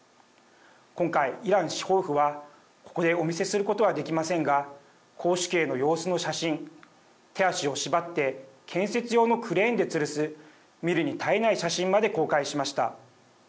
今回、イラン司法府はここでお見せすることはできませんが絞首刑の様子の写真手足を縛って建設用のクレーンでつるす見るに堪えない写真まで公開しました。